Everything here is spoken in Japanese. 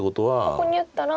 ここに打ったら。